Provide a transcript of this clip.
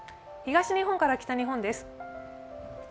東日本から北日本です。